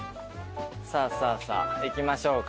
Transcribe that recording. さあさあさあ行きましょうか。